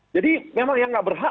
jadi memang yang nggak berhak